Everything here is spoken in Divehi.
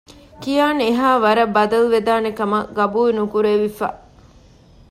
ކިޔާން އެހާވަަރަށް ބަދަލުވެދާނެ ކަމަށް ޤަބޫލުނުކުރެވިފަ